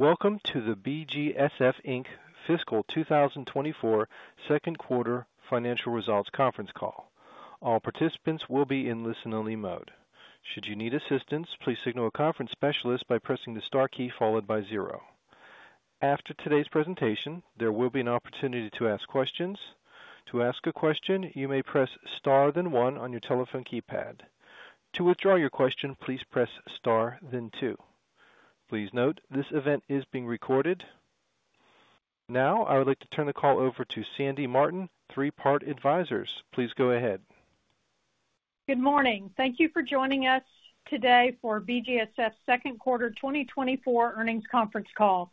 Welcome to the BGSF, Inc. fiscal 2024 second quarter financial results conference call. All participants will be in listen-only mode. Should you need assistance, please signal a conference specialist by pressing the star key followed by zero. After today's presentation, there will be an opportunity to ask questions. To ask a question, you may press Star then one on your telephone keypad. To withdraw your question, please press Star then two. Please note, this event is being recorded. Now, I would like to turn the call over to Sandy Martin, Three Part Advisors. Please go ahead. Good morning. Thank you for joining us today for BGSF's second quarter 2024 earnings conference call.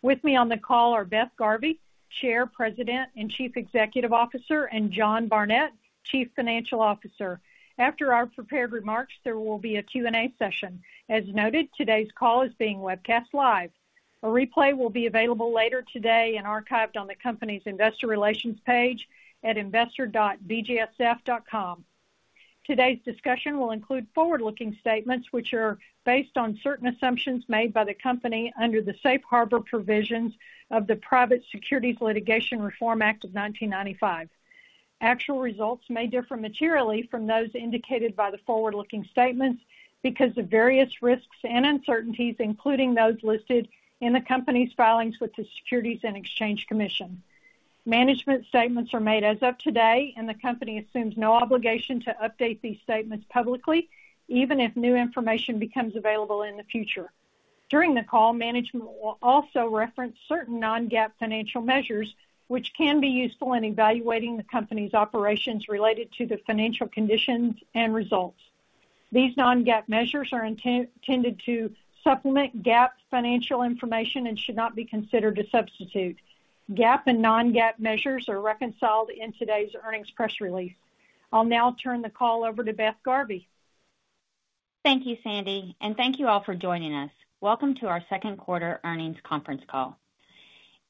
With me on the call are Beth Garvey, Chair, President, and Chief Executive Officer, and John Barnett, Chief Financial Officer. After our prepared remarks, there will be a Q&A session. As noted, today's call is being webcast live. A replay will be available later today and archived on the company's investor relations page at investor.bgsf.com. Today's discussion will include forward-looking statements, which are based on certain assumptions made by the company under the Safe Harbor Provisions of the Private Securities Litigation Reform Act of 1995. Actual results may differ materially from those indicated by the forward-looking statements because of various risks and uncertainties, including those listed in the company's filings with the Securities and Exchange Commission. Management statements are made as of today, and the company assumes no obligation to update these statements publicly, even if new information becomes available in the future. During the call, management will also reference certain non-GAAP financial measures, which can be useful in evaluating the company's operations related to the financial conditions and results. These non-GAAP measures are intended to supplement GAAP financial information and should not be considered a substitute. GAAP and non-GAAP measures are reconciled in today's earnings press release. I'll now turn the call over to Beth Garvey. Thank you, Sandy, and thank you all for joining us. Welcome to our second quarter earnings conference call.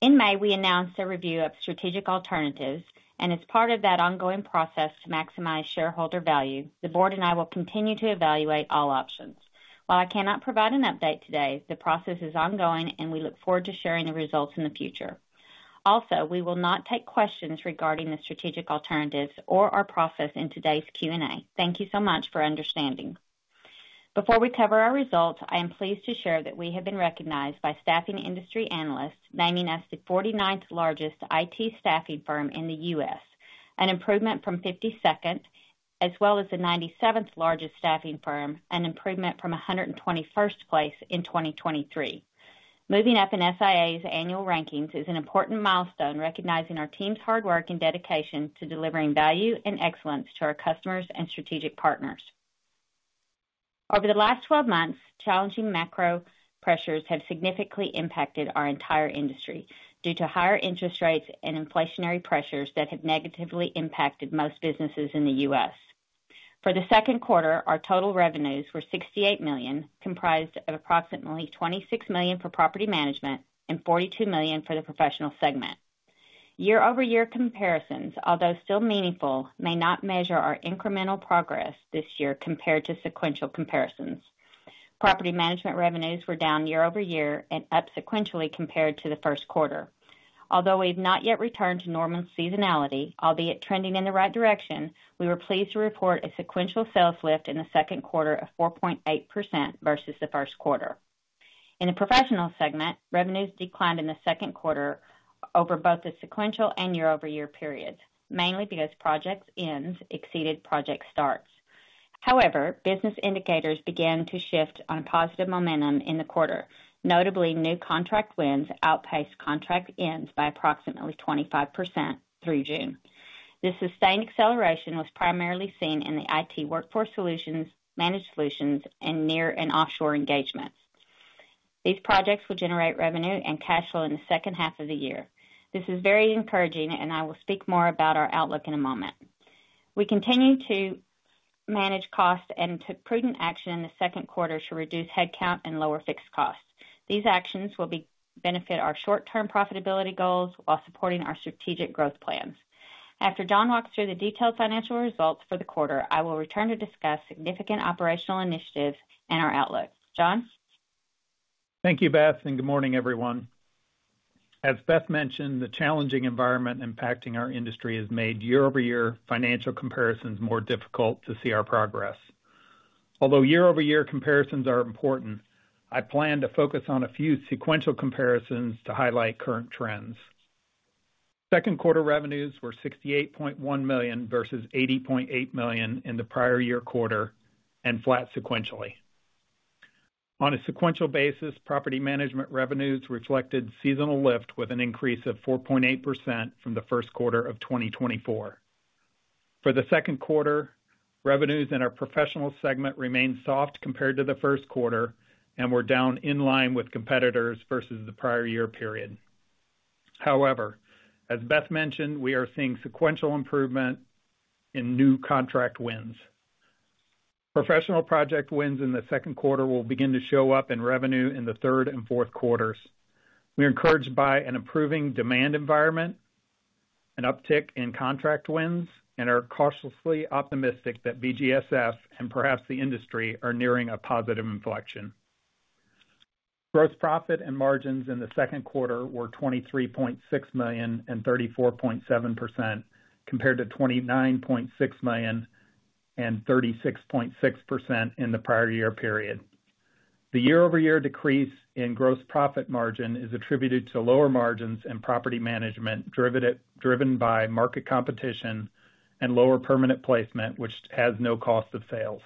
In May, we announced a review of strategic alternatives, and as part of that ongoing process to maximize shareholder value, the board and I will continue to evaluate all options. While I cannot provide an update today, the process is ongoing and we look forward to sharing the results in the future. Also, we will not take questions regarding the strategic alternatives or our process in today's Q&A. Thank you so much for understanding. Before we cover our results, I am pleased to share that we have been recognized by Staffing Industry Analysts, naming us the 49th largest IT staffing firm in the US, an improvement from 52nd, as well as the 97th largest staffing firm, an improvement from 121st place in 2023. Moving up in SIA's annual rankings is an important milestone, recognizing our team's hard work and dedication to delivering value and excellence to our customers and strategic partners. Over the last 12 months, challenging macro pressures have significantly impacted our entire industry due to higher interest rates and inflationary pressures that have negatively impacted most businesses in the US. For the second quarter, our total revenues were $68 million, comprised of approximately $26 million for property management and $42 million for the professional segment. Year-over-year comparisons, although still meaningful, may not measure our incremental progress this year compared to sequential comparisons. Property management revenues were down year over year and up sequentially compared to the first quarter. Although we've not yet returned to normal seasonality, I will be trending in the right direction, we were pleased to report a sequential sales lift in the second quarter of 4.8% versus the first quarter. In the Professional Segment, revenues declined in the second quarter over both the sequential and year-over-year periods, mainly because project ends exceeded project starts. However, business indicators began to shift on a positive momentum in the quarter. Notably, new contract wins outpaced contract ends by approximately 25% through June. This sustained acceleration was primarily seen in the IT Workforce Solutions, Managed Solutions, and nearshore and offshore engagements. These projects will generate revenue and cash flow in the second half of the year. This is very encouraging, and I will speak more about our outlook in a moment. We continue to manage costs and took prudent action in the second quarter to reduce headcount and lower fixed costs. These actions will benefit our short-term profitability goals while supporting our strategic growth plans. After John walks through the detailed financial results for the quarter, I will return to discuss significant operational initiatives and our outlook. John? Thank you, Beth, and good morning, everyone. As Beth mentioned, the challenging environment impacting our industry has made year-over-year financial comparisons more difficult to see our progress. Although year-over-year comparisons are important, I plan to focus on a few sequential comparisons to highlight current trends. Second quarter revenues were $68.1 million versus $80.8 million in the prior year quarter, and flat sequentially. On a sequential basis, Property Management revenues reflected seasonal lift with an increase of 4.8% from the first quarter of 2024. For the second quarter, revenues in our Professional Segment remained soft compared to the first quarter and were down in line with competitors versus the prior year period. However, as Beth mentioned, we are seeing sequential improvement in new contract wins. Professional project wins in the second quarter will begin to show up in revenue in the third and fourth quarters. We are encouraged by an improving demand environment, an uptick in contract wins, and are cautiously optimistic that BGSF and perhaps the industry are nearing a positive inflection. Gross profit and margins in the second quarter were $23.6 million and 34.7%, compared to $29.6 million and 36.6% in the prior year period. The year-over-year decrease in gross profit margin is attributed to lower margins in property management, driven by market competition and lower permanent placement, which has no cost of sales.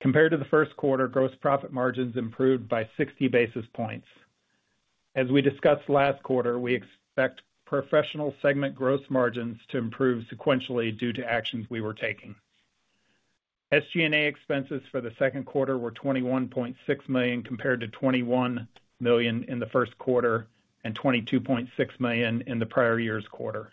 Compared to the first quarter, gross profit margins improved by 60 basis points. As we discussed last quarter, we expect professional segment gross margins to improve sequentially due to actions we were taking. SG&A expenses for the second quarter were $21.6 million, compared to $21 million in the first quarter, and $22.6 million in the prior year's quarter.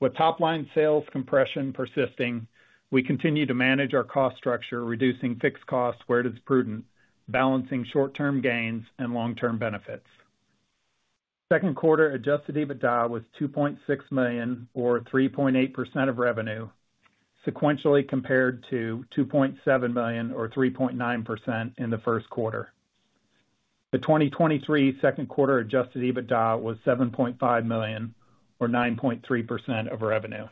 With top line sales compression persisting, we continue to manage our cost structure, reducing fixed costs where it is prudent, balancing short-term gains and long-term benefits. Second quarter Adjusted EBITDA was $2.6 million, or 3.8% of revenue, sequentially compared to $2.7 million or 3.9% in the first quarter. The 2023 second quarter Adjusted EBITDA was $7.5 million, or 9.3% of revenue.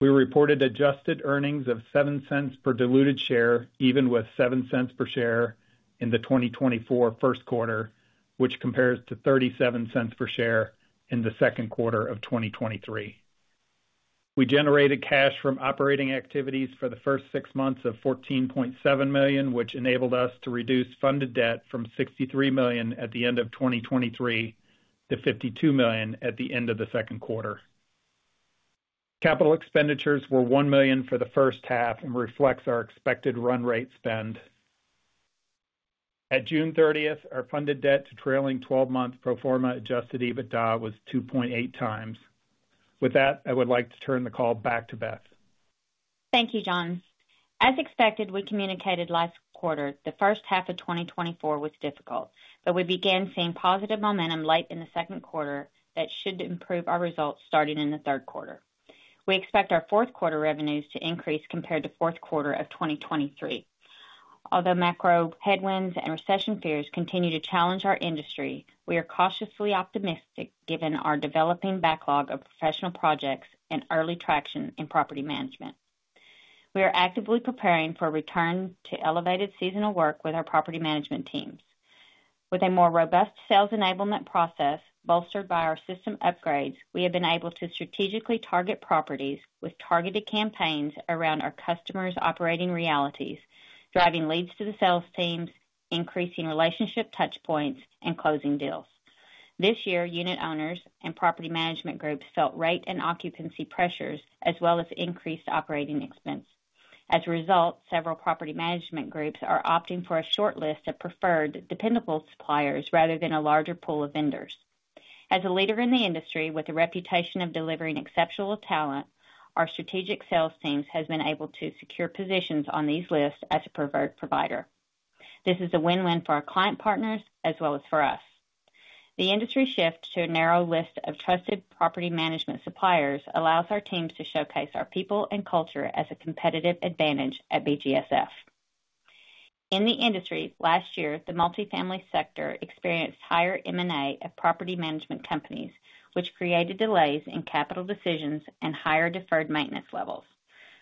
We reported adjusted earnings of $0.07 per diluted share, even with $0.07 per share in the 2024 first quarter, which compares to $0.37 per share in the second quarter of 2023. We generated cash from operating activities for the first 6 months of $14.7 million, which enabled us to reduce funded debt from $63 million at the end of 2023 to $52 million at the end of the second quarter. Capital expenditures were $1 million for the first half and reflects our expected run rate spend. At June 30, our funded debt to trailing 12-month pro forma Adjusted EBITDA was 2.8 times. With that, I would like to turn the call back to Beth. Thank you, John. As expected, we communicated last quarter, the first half of 2024 was difficult, but we began seeing positive momentum late in the second quarter that should improve our results starting in the third quarter. We expect our fourth quarter revenues to increase compared to fourth quarter of 2023. Although macro headwinds and recession fears continue to challenge our industry, we are cautiously optimistic given our developing backlog of professional projects and early traction in property management. We are actively preparing for a return to elevated seasonal work with our property management teams. With a more robust sales enablement process, bolstered by our system upgrades, we have been able to strategically target properties with targeted campaigns around our customers' operating realities, driving leads to the sales teams, increasing relationship touch points, and closing deals. This year, unit owners and property management groups felt rate and occupancy pressures, as well as increased operating expenses. As a result, several property management groups are opting for a short list of preferred, dependable suppliers rather than a larger pool of vendors. As a leader in the industry with a reputation of delivering exceptional talent, our strategic sales teams has been able to secure positions on these lists as a preferred provider. This is a win-win for our client partners as well as for us. The industry shift to a narrow list of trusted property management suppliers allows our teams to showcase our people and culture as a competitive advantage at BGSF. In the industry, last year, the multifamily sector experienced higher M&A of property management companies, which created delays in capital decisions and higher deferred maintenance levels.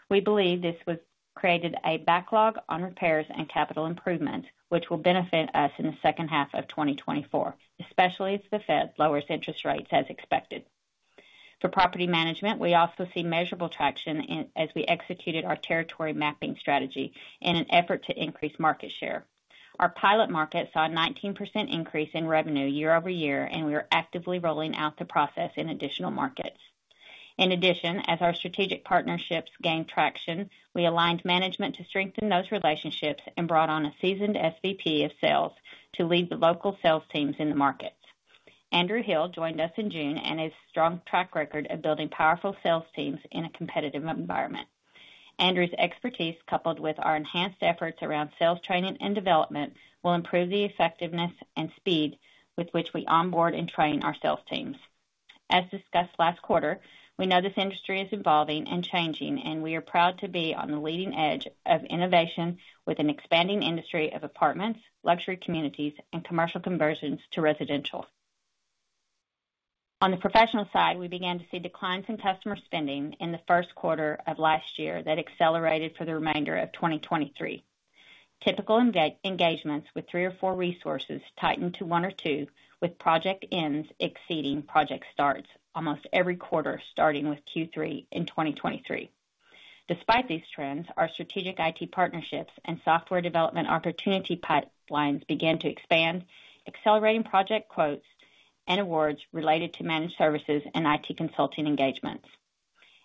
We believe this was created a backlog on repairs and capital improvement, which will benefit us in the second half of 2024, especially as the Fed lowers interest rates as expected. For property management, we also see measurable traction as we executed our territory mapping strategy in an effort to increase market share. Our pilot market saw a 19% increase in revenue year-over-year, and we are actively rolling out the process in additional markets. In addition, as our strategic partnerships gained traction, we aligned management to strengthen those relationships and brought on a seasoned SVP of sales to lead the local sales teams in the markets. Andrew Hill joined us in June, and a strong track record of building powerful sales teams in a competitive environment. Andrew's expertise, coupled with our enhanced efforts around sales training and development, will improve the effectiveness and speed with which we onboard and train our sales teams. As discussed last quarter, we know this industry is evolving and changing, and we are proud to be on the leading edge of innovation with an expanding industry of apartments, luxury communities, and commercial conversions to residential. On the professional side, we began to see declines in customer spending in the first quarter of last year that accelerated for the remainder of 2023. Typical engagements with three or four resources tightened to one or two, with project ends exceeding project starts almost every quarter, starting with Q3 in 2023. Despite these trends, our strategic IT partnerships and software development opportunity pipelines began to expand, accelerating project quotes and awards related to managed services and IT consulting engagements.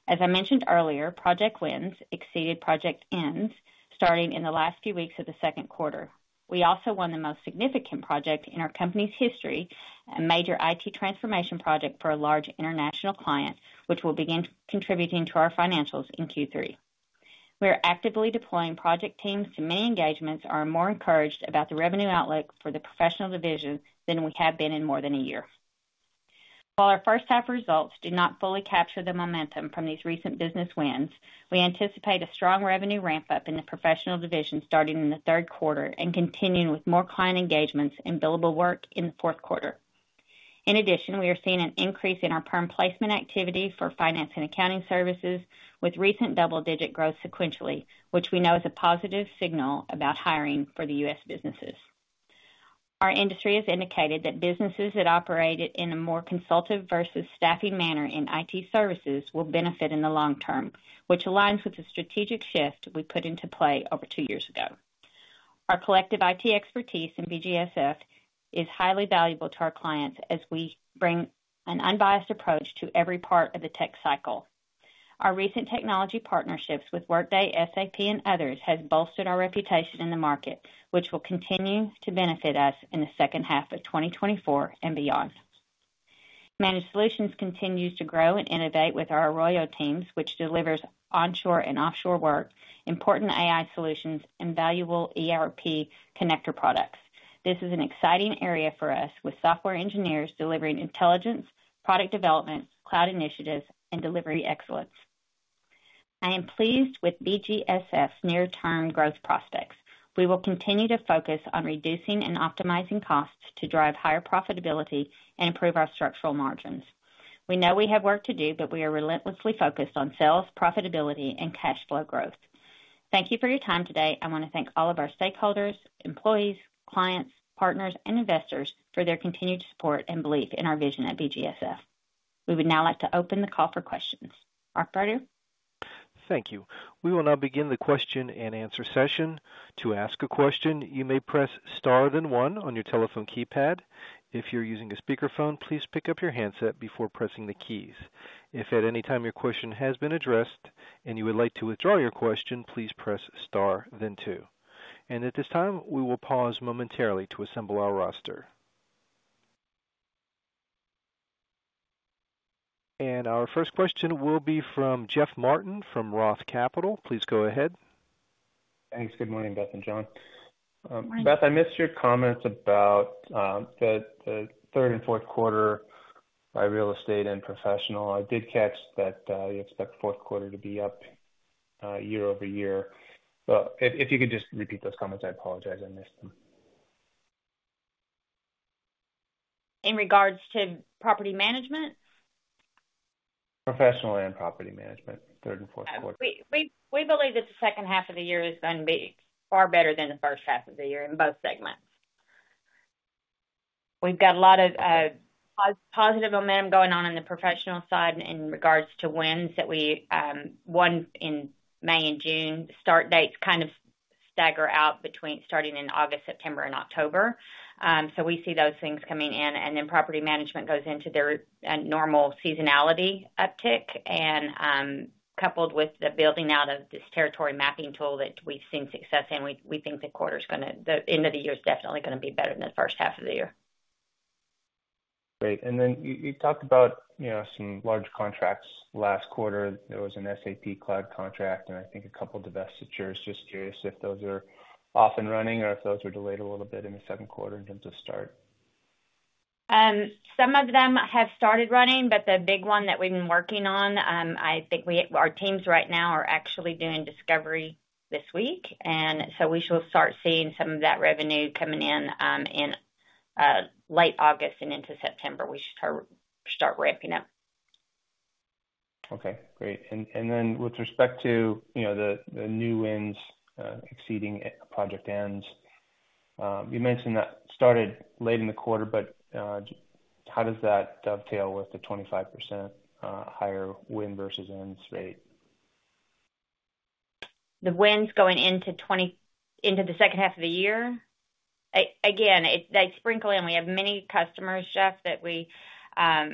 As I mentioned earlier, project wins exceeded project ends starting in the last few weeks of the second quarter. We also won the most significant project in our company's history, a major IT transformation project for a large international client, which will begin contributing to our financials in Q3.... We are actively deploying project teams to many engagements, are more encouraged about the revenue outlook for the professional division than we have been in more than a year. While our first half results did not fully capture the momentum from these recent business wins, we anticipate a strong revenue ramp-up in the professional division starting in the third quarter and continuing with more client engagements and billable work in the fourth quarter. In addition, we are seeing an increase in our perm placement activity for finance and accounting services, with recent double-digit growth sequentially, which we know is a positive signal about hiring for the U.S. businesses. Our industry has indicated that businesses that operate in a more consultative versus staffing manner in IT services will benefit in the long term, which aligns with the strategic shift we put into play over two years ago. Our collective IT expertise in BGSF is highly valuable to our clients as we bring an unbiased approach to every part of the tech cycle. Our recent technology partnerships with Workday, SAP, and others has bolstered our reputation in the market, which will continue to benefit us in the second half of 2024 and beyond. Managed Solutions continues to grow and innovate with our Arroyo teams, which delivers onshore and offshore work, important AI solutions, and valuable ERP connector products. This is an exciting area for us, with software engineers delivering intelligence, product development, cloud initiatives, and delivery excellence. I am pleased with BGSF's near-term growth prospects. We will continue to focus on reducing and optimizing costs to drive higher profitability and improve our structural margins. We know we have work to do, but we are relentlessly focused on sales, profitability, and cash flow growth. Thank you for your time today. I want to thank all of our stakeholders, employees, clients, partners, and investors for their continued support and belief in our vision at BGSF. We would now like to open the call for questions. Operator? Thank you. We will now begin the question-and-answer session. To ask a question, you may press star, then one on your telephone keypad. If you're using a speakerphone, please pick up your handset before pressing the keys. If at any time your question has been addressed and you would like to withdraw your question, please press star then two. At this time, we will pause momentarily to assemble our roster. Our first question will be from Jeff Martin from Roth Capital. Please go ahead. Thanks. Good morning, Beth and John. Good morning. Beth, I missed your comments about the third and fourth quarter by real estate and professional. I did catch that you expect the fourth quarter to be up year-over-year. But if you could just repeat those comments, I apologize I missed them. In regards to property management? Professional and Property Management, third and fourth quarter. We believe that the second half of the year is going to be far better than the first half of the year in both segments. We've got a lot of positive momentum going on in the professional side in regards to wins that we won in May and June. Start dates kind of stagger out between starting in August, September, and October. So we see those things coming in, and then property management goes into their normal seasonality uptick and coupled with the building out of this territory mapping tool that we've seen success in, we think the end of the year is definitely gonna be better than the first half of the year. Great. And then you talked about, you know, some large contracts last quarter. There was an SAP Cloud contract and I think a couple of divestitures. Just curious if those are off and running or if those were delayed a little bit in the second quarter in terms of start? Some of them have started running, but the big one that we've been working on, I think our teams right now are actually doing discovery this week, and so we should start seeing some of that revenue coming in, in late August and into September, we should start ramping up. Okay, great. And then with respect to, you know, the new wins, exceeding project ends, you mentioned that started late in the quarter, but, how does that dovetail with the 25% higher win versus end state? The wins going into the second half of the year? Again, they sprinkle in. We have many customers, Jeff, that we, a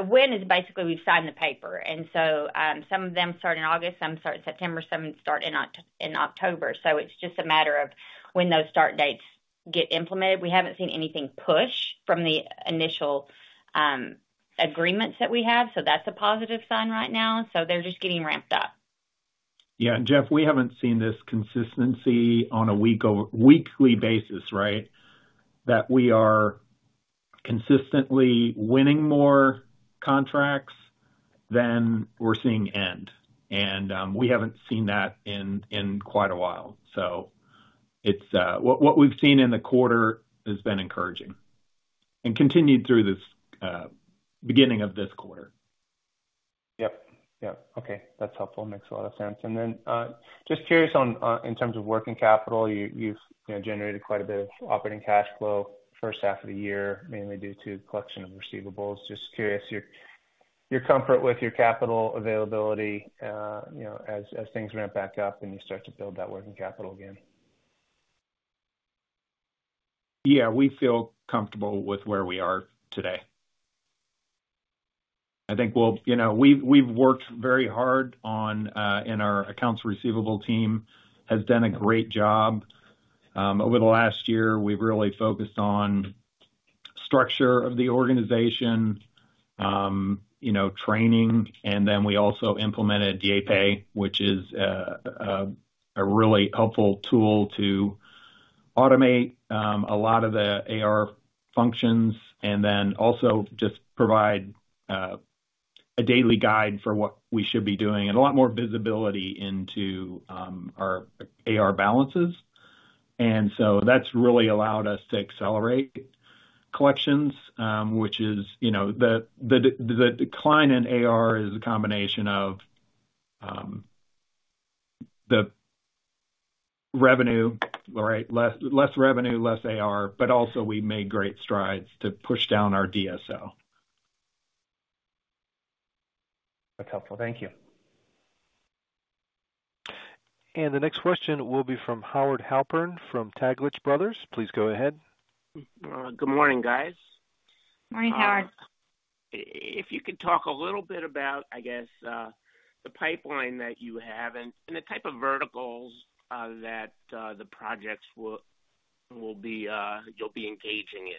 win is basically we've signed the paper, and so, some of them start in August, some start in September, some start in October. So it's just a matter of when those start dates get implemented. We haven't seen anything push from the initial agreements that we have, so that's a positive sign right now. So they're just getting ramped up. Yeah, and Jeff, we haven't seen this consistency on a weekly basis, right? That we are consistently winning more contracts than we're seeing end. And we haven't seen that in quite a while. So it's what we've seen in the quarter has been encouraging and continued through this beginning of this quarter. Yep. Yep. Okay, that's helpful. Makes a lot of sense. And then, just curious on, in terms of working capital, you, you've, you know, generated quite a bit of operating cash flow first half of the year, mainly due to collection of receivables. Just curious, your, your comfort with your capital availability, you know, as, as things ramp back up and you start to build that working capital again. Yeah, we feel comfortable with where we are today. I think we'll. You know, we've, we've worked very hard on, and our accounts receivable team has done a great job. Over the last year, we've really focused on structure of the organization, you know, training, and then we also implemented DadePay, which is a really helpful tool to automate a lot of the AR functions, and then also just provide a daily guide for what we should be doing, and a lot more visibility into our AR balances. And so that's really allowed us to accelerate collections, which is, you know, the, the, the decline in AR is a combination of the revenue, right? Less, less revenue, less AR, but also we made great strides to push down our DSO. That's helpful. Thank you. The next question will be from Howard Halpern from Taglich Brothers. Please go ahead. Good morning, guys. Morning, Howard. If you could talk a little bit about, I guess, the pipeline that you have and the type of verticals that the projects will be you'll be engaging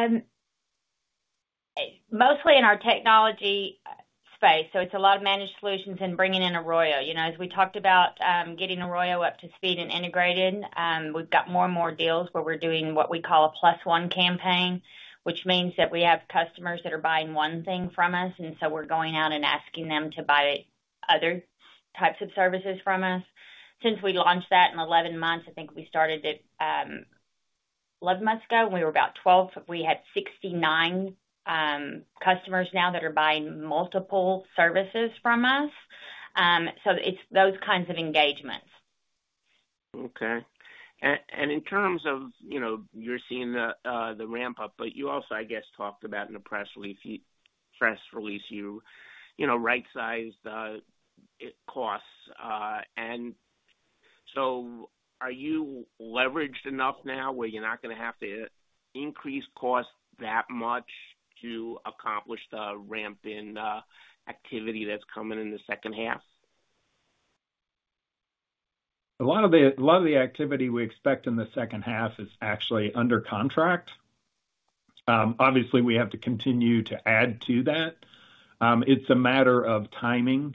in. Mostly in our technology space, so it's a lot of Managed Solutions and bringing in Arroyo. You know, as we talked about, getting Arroyo up to speed and integrated, we've got more and more deals where we're doing what we call a plus one campaign, which means that we have customers that are buying one thing from us, and so we're going out and asking them to buy other types of services from us. Since we launched that in 11 months, I think we started it, 12 months ago, and we were about 12. We had 69, customers now that are buying multiple services from us. So it's those kinds of engagements. Okay. And in terms of, you know, you're seeing the ramp-up, but you also, I guess, talked about in the press release, you know, right-sized costs. And so are you leveraged enough now where you're not going to have to increase costs that much to accomplish the ramp in activity that's coming in the second half? A lot of the activity we expect in the second half is actually under contract. Obviously, we have to continue to add to that. It's a matter of timing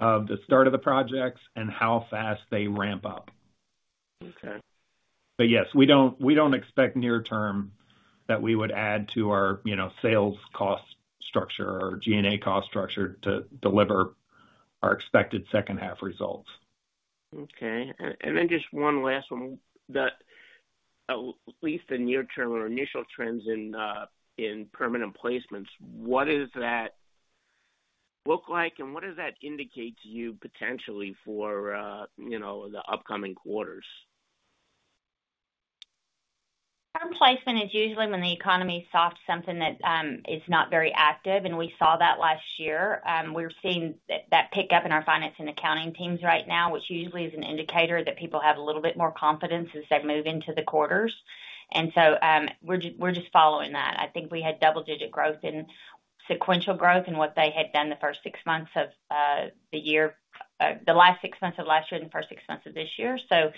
of the start of the projects and how fast they ramp up. Okay. But yes, we don't expect near-term that we would add to our, you know, sales cost structure or GNA cost structure to deliver our expected second half results. Okay. And then just one last one. At least the near term or initial trends in permanent placements, what does that look like and what does that indicate to you potentially for, you know, the upcoming quarters? Permanent placement is usually when the economy is soft, something that is not very active, and we saw that last year. We're seeing that pick up in our finance and accounting teams right now, which usually is an indicator that people have a little bit more confidence as they move into the quarters. And so, we're just following that. I think we had double-digit growth and sequential growth in what they had done the first six months of the year, the last six months of last year and the first six months of this year. So,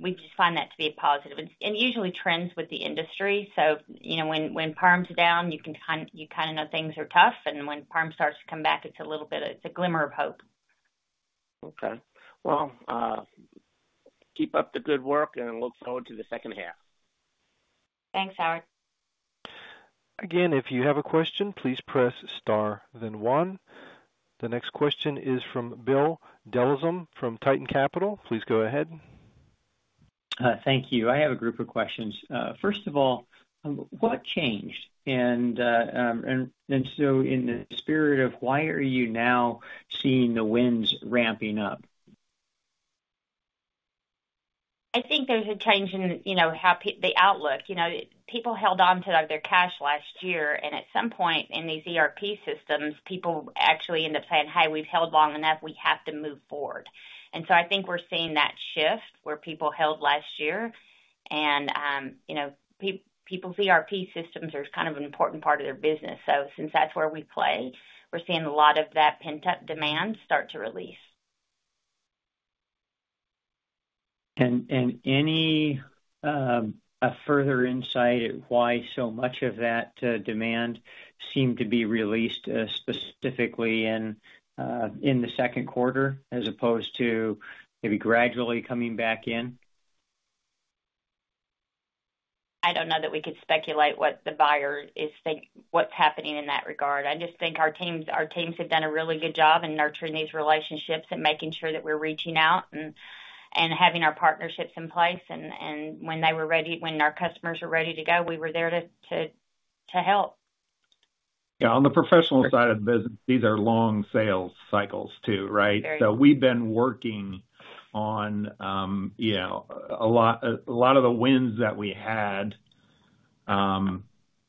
we just find that to be a positive. And it usually trends with the industry. So you know, when perms are down, you can kind of know things are tough, and when perm starts to come back, it's a little bit of... It's a glimmer of hope. Okay. Well, keep up the good work, and look forward to the second half. Thanks, Howard. Again, if you have a question, please press star, then one. The next question is from Bill Dezellem from Tieton Capital. Please go ahead. Thank you. I have a group of questions. First of all, what changed? And so in the spirit of why are you now seeing the wins ramping up? I think there's a change in, you know, how the outlook. You know, people held on to their cash last year, and at some point in these ERP systems, people actually end up saying: "Hey, we've held long enough. We have to move forward." And so I think we're seeing that shift where people held last year and, you know, people's ERP systems are kind of an important part of their business. So since that's where we play, we're seeing a lot of that pent-up demand start to release. Any further insight into why so much of that demand seemed to be released specifically in the second quarter, as opposed to maybe gradually coming back in? I don't know that we could speculate what the buyer is think- what's happening in that regard. I just think our teams have done a really good job in nurturing these relationships and making sure that we're reaching out and having our partnerships in place. And when they were ready- when our customers were ready to go, we were there to help. Yeah, on the professional side of the business, these are long sales cycles, too, right? Very. So we've been working on a lot, a lot of the wins that we had.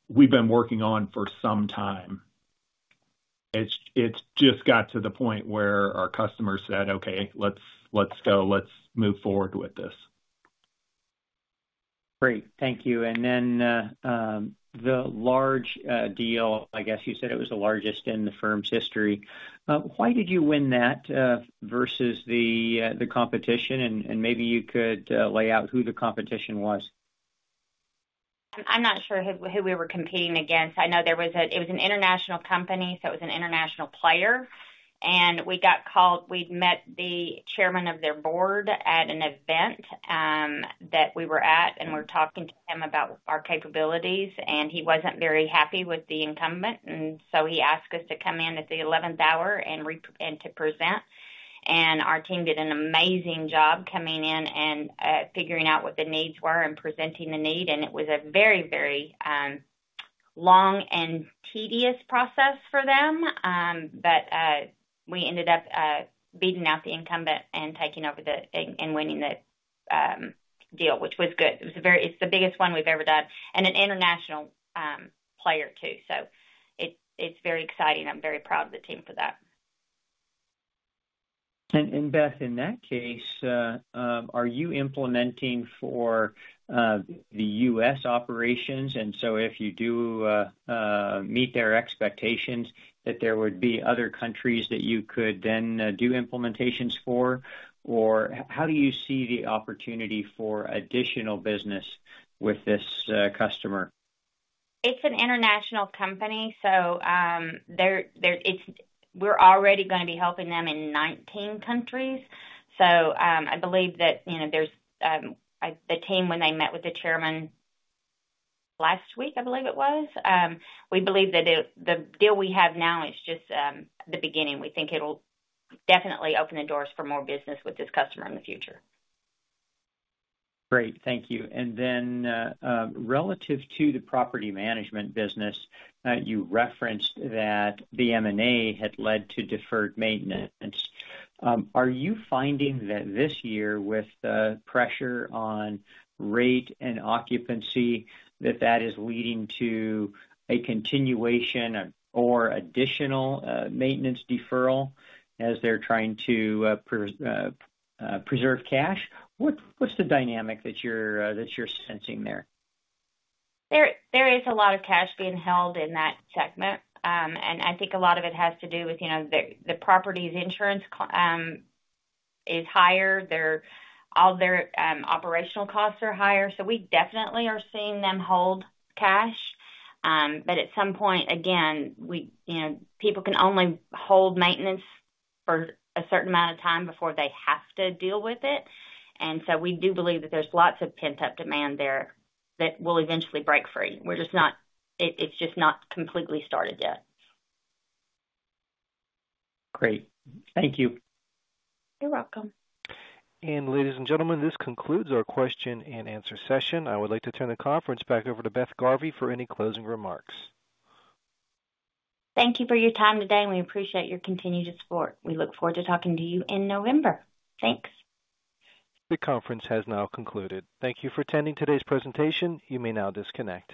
We've been working on for some time. It's just got to the point where our customers said, "Okay, let's go. Let's move forward with this. Great. Thank you. And then, the large deal, I guess you said it was the largest in the firm's history. Why did you win that, versus the competition? And maybe you could lay out who the competition was?... I'm not sure who we were competing against. I know there was an international company, so it was an international player, and we got called. We'd met the chairman of their board at an event that we were at, and we were talking to him about our capabilities, and he wasn't very happy with the incumbent. And so he asked us to come in at the eleventh hour and to present. And our team did an amazing job coming in and figuring out what the needs were and presenting the need. And it was a very, very long and tedious process for them. But we ended up beating out the incumbent and taking over and winning the deal, which was good. It's the biggest one we've ever done, and an international player, too. So it's very exciting. I'm very proud of the team for that. Beth, in that case, are you implementing for the US operations? And so if you do meet their expectations, that there would be other countries that you could then do implementations for? Or how do you see the opportunity for additional business with this customer? It's an international company, so, there-- it's, we're already gonna be helping them in 19 countries. So, I believe that, you know, there's, I... The team, when they met with the chairman last week, I believe it was, we believe that it, the deal we have now is just, the beginning. We think it'll definitely open the doors for more business with this customer in the future. Great. Thank you. And then, relative to the property management business, you referenced that the M&A had led to deferred maintenance. Are you finding that this year, with the pressure on rate and occupancy, that that is leading to a continuation or additional, maintenance deferral as they're trying to, preserve cash? What’s the dynamic that you're sensing there? There is a lot of cash being held in that segment. I think a lot of it has to do with, you know, the property's insurance is higher. All their operational costs are higher, so we definitely are seeing them hold cash. But at some point, again, you know, people can only hold maintenance for a certain amount of time before they have to deal with it. So we do believe that there's lots of pent-up demand there that will eventually break free. We're just not... it's just not completely started yet. Great. Thank you. You're welcome. Ladies and gentlemen, this concludes our question and answer session. I would like to turn the conference back over to Beth Garvey for any closing remarks. Thank you for your time today, and we appreciate your continued support. We look forward to talking to you in November. Thanks. The conference has now concluded. Thank you for attending today's presentation. You may now disconnect.